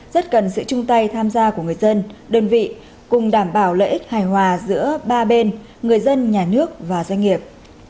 rất cần sự chung tay tham gia của người dân đơn vị cùng đảm bảo lợi ích hài hòa giữa ba bên người dân nhà nước và doanh nghiệp